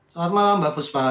selamat malam mbak puspa